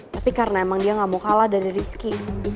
tapi karena emang dia gak mau kalah dari rizky